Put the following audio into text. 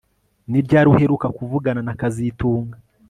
Ni ryari uheruka kuvugana na kazitunga